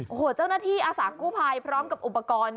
โอ้โหเจ้าหน้าที่อาสากู้ภัยพร้อมกับอุปกรณ์